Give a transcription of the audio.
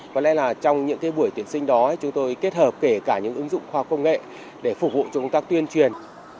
có lẽ là trong những buổi tuyển sinh đó chúng tôi kết hợp kể cả những ứng dụng khoa công nghệ để phục vụ cho công tác tuyên truyền